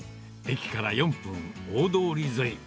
駅から４分、大通り沿い。